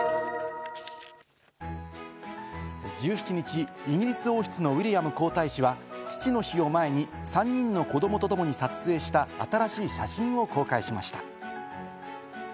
１７日、イギリス王室のウィリアム皇太子は父の日を前に、３人の子どもとともに撮影した新しい写真を公開しました。